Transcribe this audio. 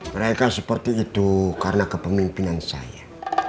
mereka seperti itu karena kepemimpinan saya